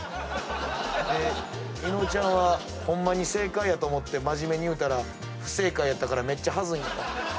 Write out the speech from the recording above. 伊野尾ちゃんはホンマに正解やと思って真面目に言うたら不正解やったからめっちゃはずい。